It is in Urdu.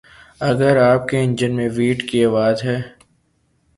اگر آپ کے انجن میں ویٹ کی آواز ہے